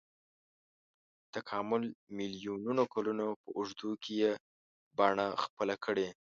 تکامل میلیونونو کلونو په اوږدو کې یې بڼه خپله کړې.